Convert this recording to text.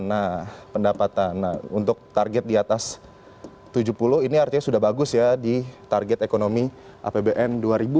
nah pendapatan untuk target di atas tujuh puluh ini artinya sudah bagus ya di target ekonomi apbn dua ribu dua puluh